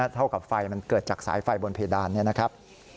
เท่ากับไฟมันเกิดจากสายไฟบนเพดานเนี่ยนะครับ